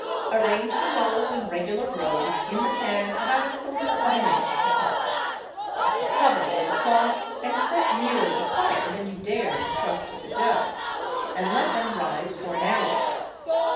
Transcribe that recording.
Arrange the rolls in regular rows in the pan about a quarter of an inch apart. Cover with a cloth and set nearer the fire than you dared trust the dough, and let them rise for an hour.